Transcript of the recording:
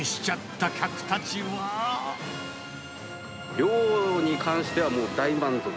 量に関しては、もう大満足。